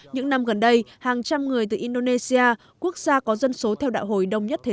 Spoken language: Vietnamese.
những năm gần đây hàng trăm người từ indonesia quốc gia có dân số theo đạo hồi đông nhất thế